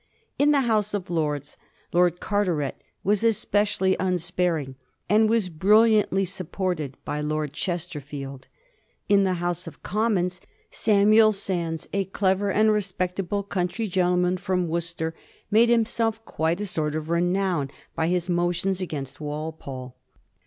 In the House of Lords, Lord Carteret was especially unsparing, and was brilliantly supported by Lord Chesterfield. In the House of Commons, Samuel Sandys, a clever and re spectable country gentleman from Worcestershire, made himself quite a sort of renown by his motions against Walpole.